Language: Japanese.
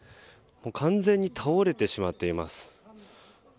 完全に倒れてしまっています。